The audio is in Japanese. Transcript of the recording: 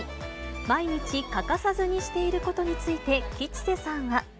毎日、欠かさずにしていることについて吉瀬さんは。